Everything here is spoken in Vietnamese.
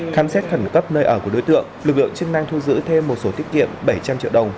khám xét khẩn cấp nơi ở của đối tượng lực lượng chức năng thu giữ thêm một số tiết kiệm bảy trăm linh triệu đồng